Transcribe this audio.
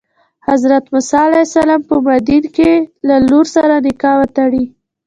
حضرت موسی علیه السلام په مدین کې له لور سره نکاح وتړي.